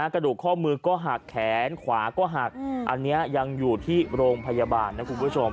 กระดูกข้อมือก็หักแขนขวาก็หักอันนี้ยังอยู่ที่โรงพยาบาลนะคุณผู้ชม